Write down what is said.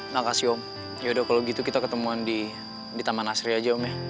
makasih om ya udah kalo gitu kita ketemuan di taman nasri aja om ya